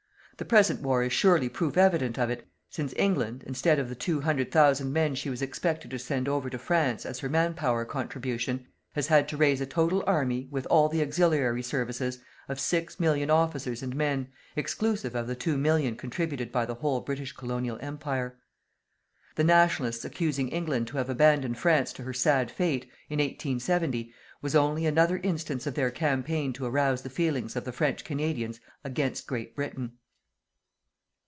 The present war is surely proof evident of it, since England, instead of the two hundred thousand men she was expected to send over to France, as her man power contribution, has had to raise a total army, with all the auxiliary services, of 6,000,000 officers and men, exclusive of the 2,000,000 contributed by the whole British Colonial Empire. The Nationalists accusing England to have abandoned France to her sad fate, in 1870, was only another instance of their campaign to arouse the feelings of the French Canadians against Great Britain.